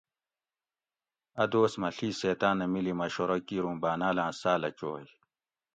اٞ دوس مٞہ ݪی سیتاۤن اٞ مِلی مشورہ کِیر اُوں باٞناٞلاٞں ساٞلہ چوئ